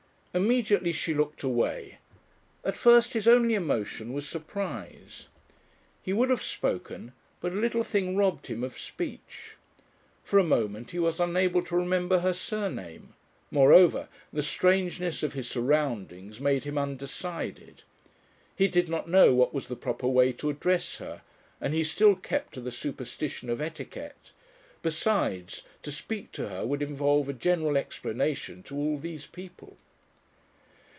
Immediately she looked away. At first his only emotion was surprise. He would have spoken, but a little thing robbed him of speech. For a moment he was unable to remember her surname. Moreover, the strangeness of his surroundings made him undecided. He did not know what was the proper way to address her and he still kept to the superstition of etiquette. Besides to speak to her would involve a general explanation to all these people